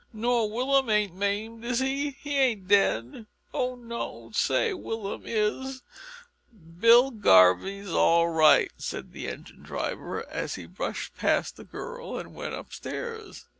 "Nor Willum ain't maimed, is he? He ain't dead? Oh don't say Willum is " "Bill Garvie's all right," said the engine driver, as he brushed past the girl and went up stairs.